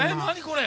これ。